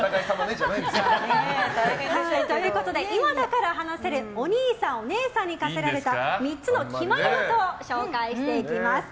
今だから話せるおにいさん・おねえさんに課せられた３つの決まり事を紹介していきましょう。